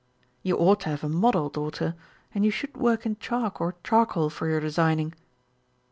"You ought to have a model, daughter, and you should work in chalk or charcoal for your designing."